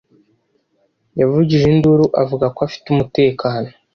Yavugije induru avuga ko afite umutekano.